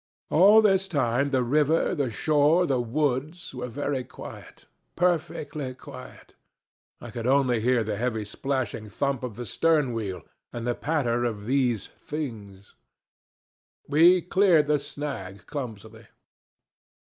All this time the river, the shore, the woods, were very quiet perfectly quiet. I could only hear the heavy splashing thump of the stern wheel and the patter of these things. We cleared the snag clumsily.